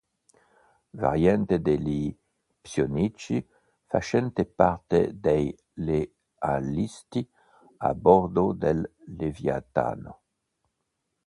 Variante degli Psionici facente parte dei Lealisti a bordo del Leviatano.